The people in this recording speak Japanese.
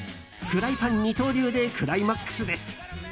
フライパン二刀流でクライマックスです。